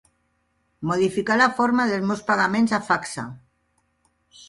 Modificar la forma dels meus pagaments a Facsa.